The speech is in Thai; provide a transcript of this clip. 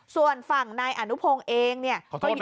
ส่วนฝั่งนายอนุพงศ์เองเนี่ย